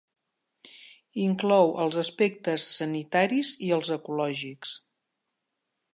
Inclou els aspectes sanitaris i els ecològics.